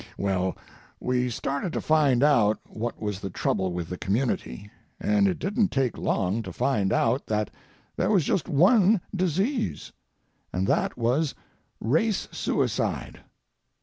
Well, we started to find out what was the trouble with the community, and it didn't take long to find out that there was just one disease, and that was race suicide.